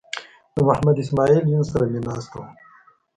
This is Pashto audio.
د محمد اسماعیل یون سره مو ناسته وه.